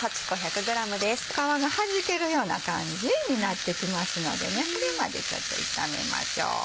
皮がはじけるような感じになってきますのでそれまでちょっと炒めましょう。